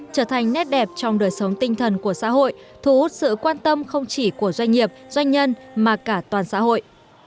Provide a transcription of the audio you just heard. trở thành nét đẹp trong đời sống tinh thần của xã hội thu hút sự quan tâm không chỉ của doanh nghiệp doanh nhân mà cả toàn xã hội